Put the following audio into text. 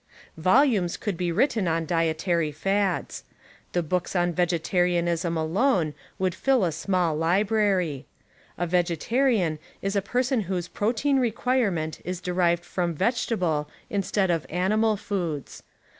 Volumes could be written on dietary fads; the books on vege tarianism alone would fill a small library. A vegetarian is a per son whose protein requirement is derived from vegetable in _. stead of animal foods.